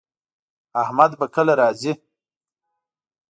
احمد به کله راځي